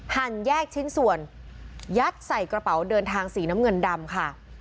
หั่นแยกชิ้นส่วนยัดใส่กระเป๋าเดินทางสีน้ำเงินดำค่ะ